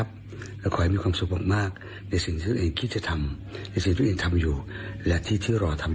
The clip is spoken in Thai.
พี่เบิร์ตคือแรงบันดาลใจให้อ้ำออกกำลังกาย